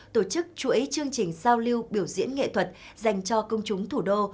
tổ chức chuỗi chương trình giao lưu biểu diễn nghệ thuật dành cho công chúng thủ đô